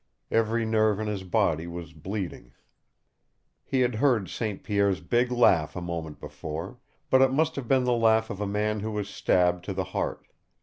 Every nerve in his body was bleeding. He had heard St. Pierre's big laugh a moment before, but it must have been the laugh of a man who was stabbed to the heart.